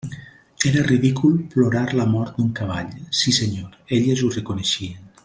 Era ridícul plorar la mort d'un cavall; sí senyor, elles ho reconeixien.